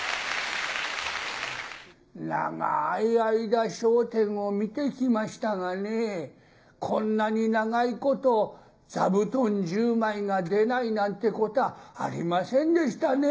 長い間、笑点を見てきましたがね、こんなに長いこと、座布団１０枚が出ないなんてこたぁありませんでしたね。